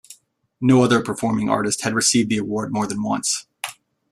No other performing artists had received the award more than once.